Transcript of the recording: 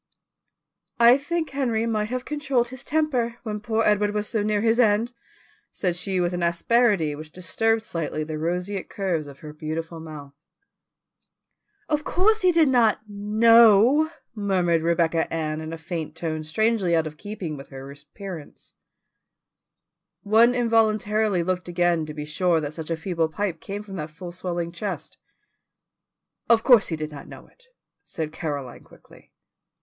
"I think Henry might have controlled his temper, when poor Edward was so near his end," said she with an asperity which disturbed slightly the roseate curves of her beautiful mouth. "Of course he did not KNOW," murmured Rebecca Ann in a faint tone strangely out of keeping with her appearance. One involuntarily looked again to be sure that such a feeble pipe came from that full swelling chest. "Of course he did not know it," said Caroline quickly.